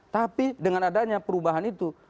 tapi dengan adanya perubahan itu